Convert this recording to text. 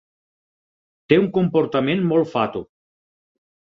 Té un comportament molt fatu.